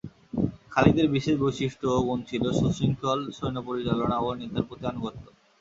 খালিদের বিশেষ বৈশিষ্ট্য ও গুণ ছিল সু-শৃঙ্খল সৈন্য পরিচালনা ও নেতার প্রতি আনুগত্য।